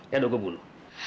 yaudah gue bunuh